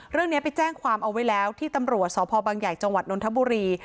เรื่องนี้ไปแจ้งความเอาไว้แล้วที่ตำรวจสพบังใหญ่จังหวัดนทบุรี